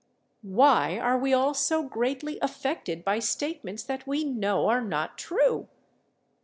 Why are we all so greatly affected by statements that we know are not true?